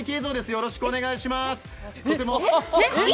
よろしくお願いします。